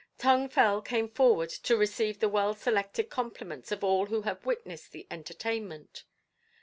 Tung Fel came forward to receive the well selected compliments of all who had witnessed the entertainment.